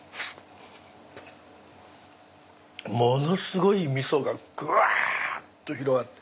ものすごいみそがぐわっと広がって。